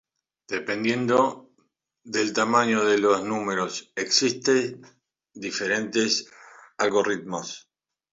Dependiendo del tamaño de los números, existen diferentes algoritmos.